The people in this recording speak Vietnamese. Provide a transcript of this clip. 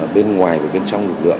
bên ngoài và bên trong lực lượng